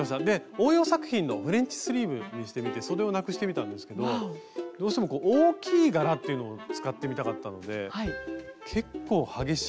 応用作品のフレンチスリーブにしてみてそでをなくしてみたんですけどどうしても大きい柄っていうのを使ってみたかったので結構激しい。